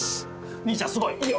兄ちゃんすごい！いいよ。